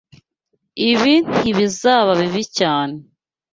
Ibi ntibizaba bibi cyane.